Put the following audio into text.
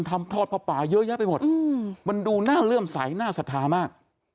ทำทอดผ้าป่าเยอะแยะไปหมดมันดูน่าเลื่อมใสน่าศรัทธามาก